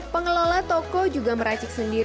pengelola toko juga merayakan